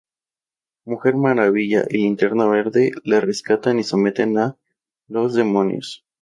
Mujer Maravilla y Linterna Verde le rescatan y someten a los demonios.